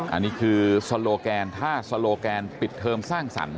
อันนี้คือโซโลแกนถ้าโซโลแกนปิดเทอมสร้างสรรค